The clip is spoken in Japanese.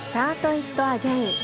・イット・アゲイン。